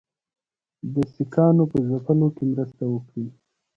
د سیکهانو په ځپلو کې مرسته وکړي.